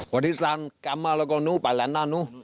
วันที่สามกลับมาแล้วก็นู่ไปแล้วนั่นนู่